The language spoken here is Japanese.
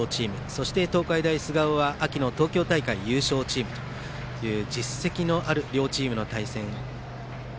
そして東海大菅生は秋の東京大会優勝チームという実績のある両チームの対戦でした。